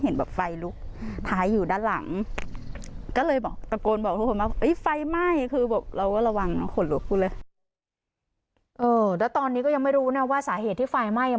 แล้วตอนนี้ก็ยังไม่รู้นะว่าสาเหตุที่ไฟไหม้